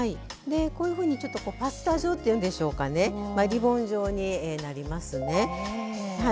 こういうふうにパスタ状というかリボン状になりますね。